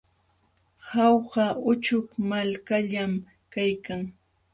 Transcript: Jauja uchuk malkallam kaykan.